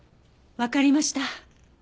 わかりました。